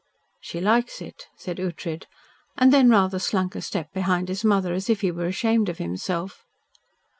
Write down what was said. "She likes it," said Ughtred, and then rather slunk a step behind his mother, as if he were ashamed of himself.